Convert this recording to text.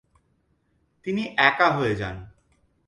তিনি একা হয়ে যান।